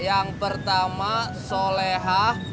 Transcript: yang pertama solehah